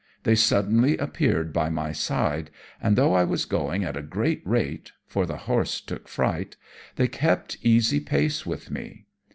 They suddenly appeared by my side, and though I was going at a great rate for the horse took fright they kept easy pace with me.